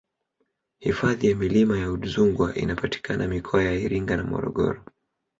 hifadhi ya milima ya udzungwa inapatikana mikoa ya iringa na morogoro